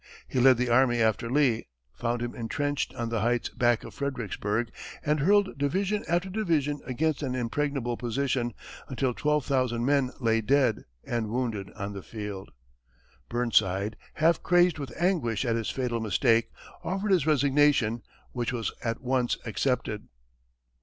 He led the army after Lee, found him entrenched on the heights back of Fredericksburg, and hurled division after division against an impregnable position, until twelve thousand men lay dead and wounded on the field. Burnside, half crazed with anguish at his fatal mistake, offered his resignation, which was at once accepted.